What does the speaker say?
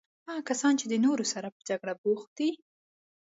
هغه کسان چې د نورو سره په جګړه بوخت دي.